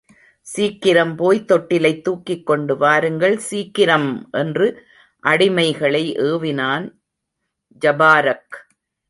சீக்கிரம் போய்த் தொட்டிலைத் தூக்கிக்கொண்டு வாருங்கள், சீக்கிரம்! என்று அடிமைகளை ஏவினான் ஜபாரக்.